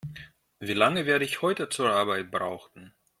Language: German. Wie lange werde ich heute zur Arbeit brauchen?